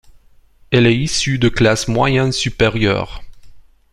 Elle est issue des classes moyennes supérieures.